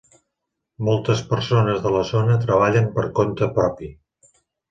Moltes persones de la zona treballen per compte propi.